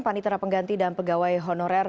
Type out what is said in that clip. panitera pengganti dan pegawai honorer